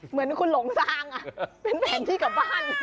เหมือนคุณหลงซางเป็นแผนที่กลับบ้าน